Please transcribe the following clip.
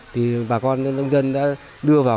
thì bà con nông dân đã đưa vào